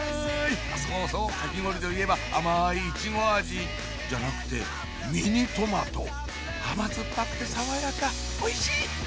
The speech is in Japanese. あっそうそうかき氷といえば甘いイチゴ味じゃなくてミニトマト甘酸っぱくて爽やかおいしい！